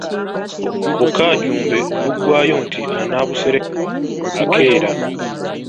Bukaajumbe luggwaayo nti anaabusereka akeera.